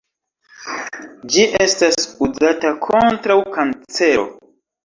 Ĝi estas uzata kontraŭ kancero.